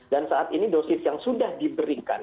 dan saat ini dosis yang sudah diberikan